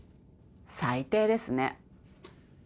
最低ですね。